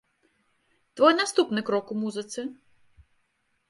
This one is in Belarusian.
Твой наступны крок у музыцы?